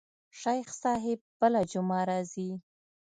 شيخ صاحب بله جمعه راځي.